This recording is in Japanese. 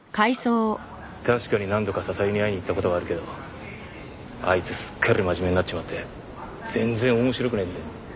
確かに何度か笹井に会いに行った事はあるけどあいつすっかり真面目になっちまって全然面白くねえんだよ。